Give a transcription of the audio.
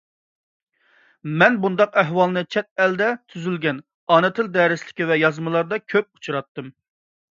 مەن بۇنداق ئەھۋالنى چەت ئەلدە تۈزۈلگەن ئانا تىل دەرسلىكى ۋە يازمىلاردا كۆپ ئۇچراتتىم.